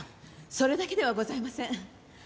それだけではございません。